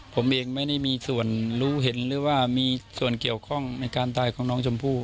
ผมเองไม่ได้มีส่วนรู้เห็นหรือว่ามีส่วนเกี่ยวข้องในการตายของน้องชมพู่